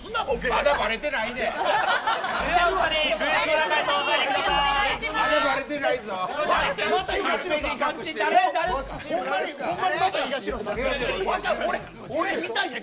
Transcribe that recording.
まだバレてないねん。